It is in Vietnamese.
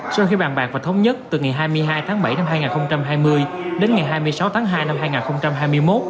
sau khi bàn bạc và thống nhất từ ngày hai mươi hai tháng bảy năm hai nghìn hai mươi đến ngày hai mươi sáu tháng hai năm hai nghìn hai mươi một